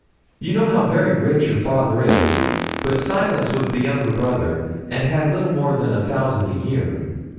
You know how very rich your father is; but Silas was the younger brother, and had little more than a thousand a year.